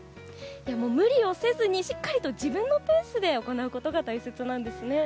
無理をせずにしっかりと自分のペースで行うことが大切なんですね。